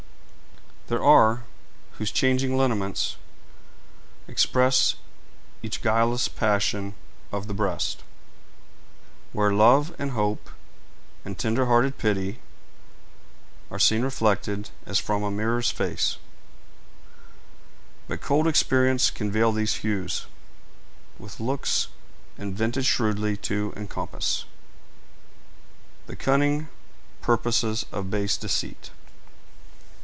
There are, whose changing lineaments Express each guileless passion of the breast; Where Love, and Hope, and tender hearted Pity Are seen reflected, as from a mirror's face; But cold experience can veil these hues With looks, invented shrewdly to encompass The cunning purposes of base deceit.